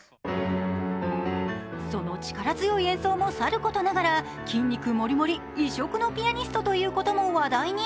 その力強い演奏もさることながら筋肉もりもり、異色のピアニストということも話題に。